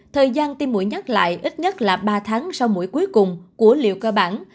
thời gian tim mũi nhắc lại ít nhất là ba tháng sau mũi cuối cùng của liều cơ bản